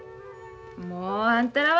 もうあんたらは！